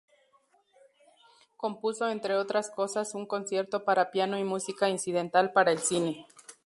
Compuso entre otras cosas un concierto para piano y música incidental para el cine.